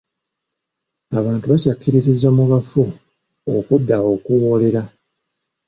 Abantu bakyakkiririza mu bafu okudda okuwoolera.